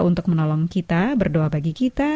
untuk menolong kita berdoa bagi kita